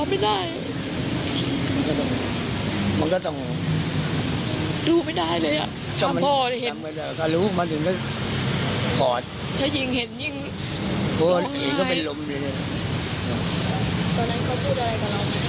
มันก็ต้องมันก็ต้องดูไม่ได้เลยอ่ะทำพ่อจะเห็นมันถึงก็ถ้ายิ่งเห็นยิ่งเพราะว่าเห็นก็เป็นลมตอนนั้นเขาพูดอะไรกับเรา